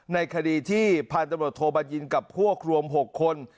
ในคดีที่พันธบัญญิณต์โทบัญญิณกับพวกรวมหกคน